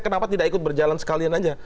kenapa tidak ikut berjalan sekalian saja